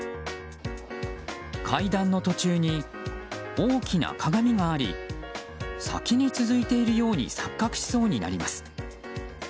階段の途中に大きな鏡があり先に続いているように錯覚しそうになります。